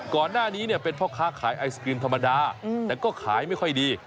ก่อนหน้านี้เนี่ยเป็นพ่อค้าขายไอศกรีมธรรมดาแต่ก็ขายไม่ค่อยดี